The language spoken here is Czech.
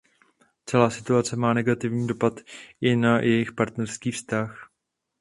Celá situace má negativní dopad i na jejich partnerský vztah.